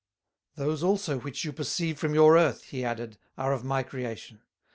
'Those also which you perceive from your Earth,' he added, 'are of my creation.